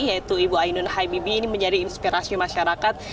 yaitu ibu ainun habibie ini menjadi inspirasi masyarakat